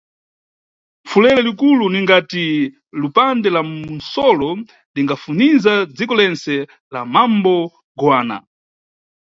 Pfulele likulu ningati lupande la mu msolo lingafuniza dziko lentse la mambo Goana.